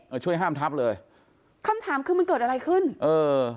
ช่วยห้ามทับเลยคำถามคือมันเกิดอะไรขึ้นเออ